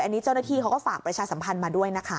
อันนี้เจ้าหน้าที่เขาก็ฝากประชาสัมพันธ์มาด้วยนะคะ